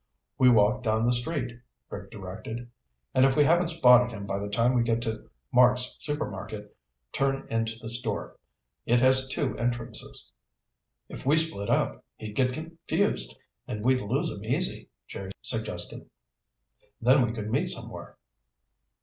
"We walk down the street," Rick directed, "and if we haven't spotted him by the time we get to Mark's Supermarket, turn into the store. It has two entrances." "If we split up, he'd get confused and we'd lose him easy," Jerry suggested. "Then we could meet somewhere."